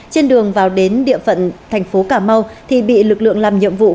trên đường vào đến địa phận tp cà mau thì bị lực lượng làm nhiệm vụ